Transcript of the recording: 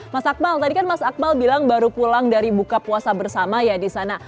mas akmal tadi kan mas akmal bilang baru pulang dari buka puasa bersama ya di sana